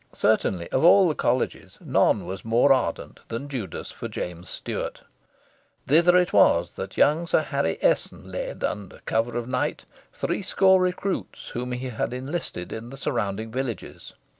Certainly, of all the Colleges none was more ardent than Judas for James Stuart. Thither it was that young Sir Harry Esson led, under cover of night, three score recruits whom he had enlisted in the surrounding villages.